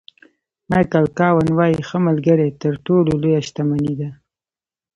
مایکل کاون وایي ښه ملګری تر ټولو لویه شتمني ده.